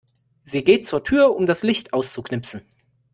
Sie geht zur Tür, um das Licht auszuknipsen.